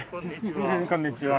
こんにちは。